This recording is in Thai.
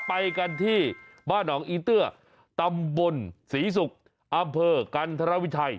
ไปกันที่บ้านหนองอีเตื้อตำบลศรีศุกร์อำเภอกันธรวิชัย